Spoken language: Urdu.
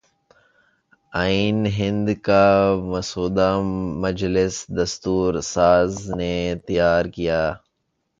آئین ہند کا مسودہ مجلس دستور ساز نے تیار کیا